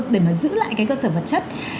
để mà giữ lại cái cơ sở vật chất